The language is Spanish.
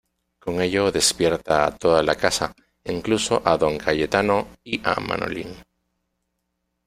Con ello despierta a toda la casa, incluso a Don Cayetano y a Manolín.